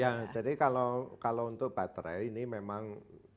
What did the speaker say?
ya jadi kalau untuk baterai ini memang